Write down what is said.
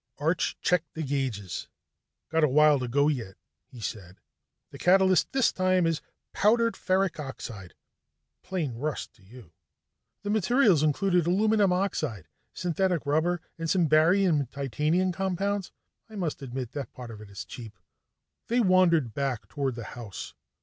Arch checked the gauges. "Got a while to go yet," he said. "The catalyst this time is powdered ferric oxide plain rust to you. The materials include aluminum oxide, synthetic rubber, and some barium and titanium compounds. I must admit that part of it is cheap." They wandered back toward the house.